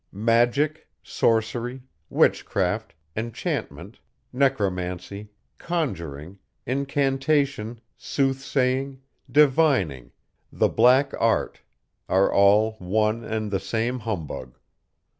Magic, sorcery, witchcraft, enchantment, necromancy, conjuring, incantation, soothsaying, divining, the black art, are all one and the same humbug.